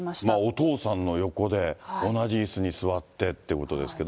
お父さんの横で同じいすに座ってということですけど。